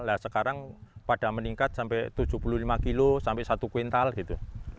nah sekarang pada meningkat sampai tujuh puluh lima kilo sampai satu kuintal gitu